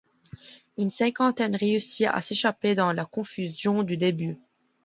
Une cinquantaine réussit à s'échapper dans la confusion du début.